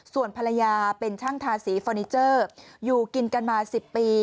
ส่วนภรรยาเป็นช่างทาสีฟอร์นิเจอร์อยู่กินกันมา๑๐ปี